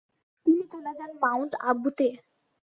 তিনি চলে যান মাউন্ট আবুতে।